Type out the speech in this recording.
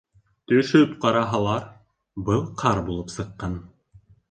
Төшөп ҡараһалар, был ҡар булып сыҡҡан.